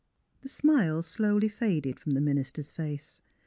The smile slowly faded from the minister's face.